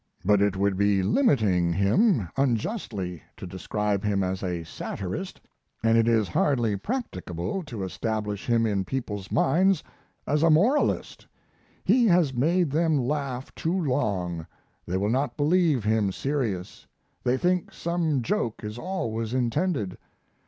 But it would be limiting him unjustly to describe him as a satirist, and it is hardly practicable to establish him in people's minds as a moralist; he has made them laugh too long; they will not believe him serious; they think some joke is always intended.